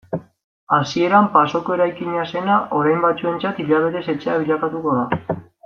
Hasieran pasoko eraikina zena orain batzuentzat hilabetez etxea bilakatu da.